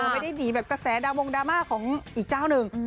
ไม่ได้หนีแบบกระแสดาวงดราม่าของอีกเจ้าหนึ่ง